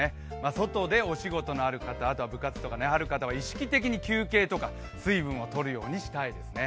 外でお仕事のある方、部活とかある方は意識的に休憩とか水分を取るようにしたいですね。